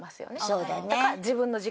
そうだね。